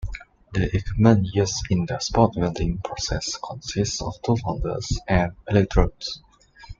The equipment used in the spot welding process consists of tool holders and electrodes.